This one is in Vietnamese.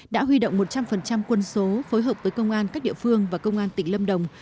đã huy động một trăm linh quân số phối hợp với công an các địa phương và công an tỉnh lâm đồng